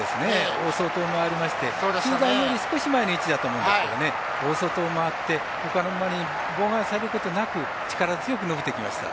大外を回りまして中団より少し前の位置だったと思うんですけど大外を回って、ほかの馬に妨害されることなく力強く伸びてきました。